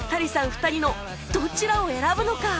２人のどちらを選ぶのか？